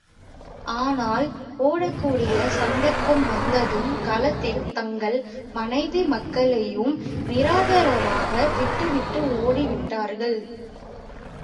ஆனால், ஓடக் கூடிய சந்தர்ப்பம் வந்ததும், களத்தில் தங்கள் மனைவி, மக்களையும் நிராதரவாக விட்டு விட்டு ஓடி விட்டார்கள்.